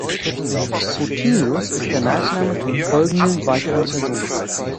Rutilius ist der Nachname von folgenden weiteren Personen